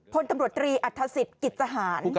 พลตำรวจตรีอัตภาษิตกิจสาหาร